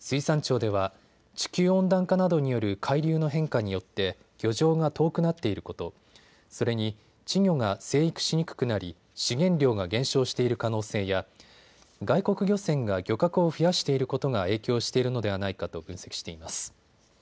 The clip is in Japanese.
水産庁では地球温暖化などによる海流の変化によって漁場が遠くなっていること、それに稚魚が成育しにくくなり資源量が減少している可能性や外国漁船が漁獲を増やしていることが影響しているのではないかと分析しています。